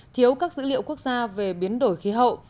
thiếu các dữ liệu quốc gia về biến đổi khí hậu